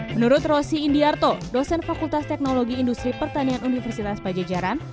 menurut rosi indiarto dosen fakultas teknologi industri pertanian universitas pajajaran